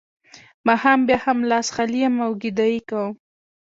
ماښام بیا هم لاس خالي یم او ګدايي کوم